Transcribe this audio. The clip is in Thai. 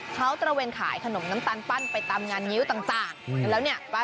เขาจะขายขนมน้ำตาลปั้นไปตามงานนิ้วต่าง